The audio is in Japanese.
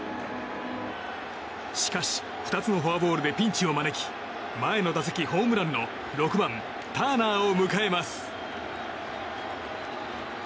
しかし２つのフォアボールでピンチを招き前の打席ホームランの６番、ターナーを迎えます。